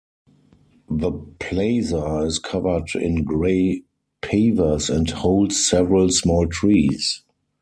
The plaza is covered in gray pavers and holds several small trees.